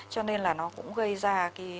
cho nên là nó cũng gây ra